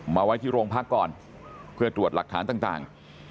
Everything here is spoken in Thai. ไว้ที่โรงพักก่อนเพื่อตรวจหลักฐานต่าง